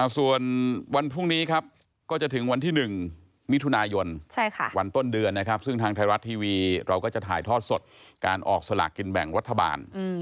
ส่วนวันพรุ่งนี้ครับก็จะถึงวันที่๑มิถุนายนวันต้นเดือนนะครับซึ่งทางไทยรัฐทีวีเราก็จะถ่ายทอดสดการออกสลากกินแบ่งรัฐบาล